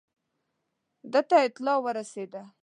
ده ته اطلاع ورسېده.